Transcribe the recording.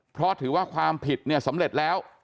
เพราะถือว่าความผิดเนี่ยสำเร็จแล้ว